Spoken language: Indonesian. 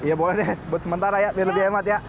ya boleh deh sebut sementara ya biar lebih hemat ya